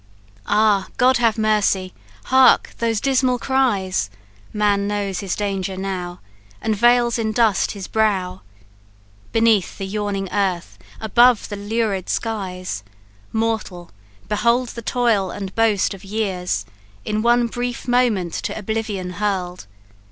"Ah, God have mercy! hark! those dismal cries Man knows his danger now, And veils in dust his brow. Beneath, the yawning earth above, the lurid skies! Mortal, behold the toil and boast of years In one brief moment to oblivion hurled.